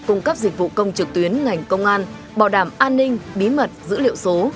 cung cấp dịch vụ công trực tuyến ngành công an bảo đảm an ninh bí mật dữ liệu số